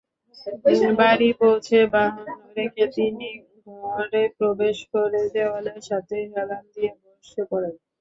বাড়ি পৌঁছে বাহন রেখে তিনি ঘরে প্রবেশ করে দেওয়ালের সাথে হেলান দিয়ে বসে পড়েন।